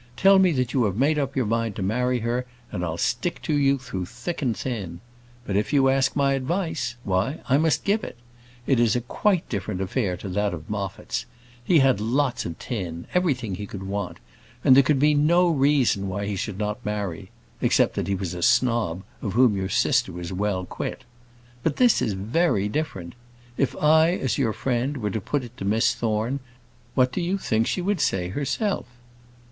Tell me that you have made up your mind to marry her, and I'll stick to you through thick and thin. But if you ask my advice, why, I must give it. It is quite a different affair to that of Moffat's. He had lots of tin, everything he could want, and there could be no reason why he should not marry, except that he was a snob, of whom your sister was well quit. But this is very different. If I, as your friend, were to put it to Miss Thorne, what do you think she would say herself?"